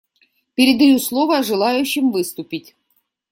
Передаю слово желающим выступить.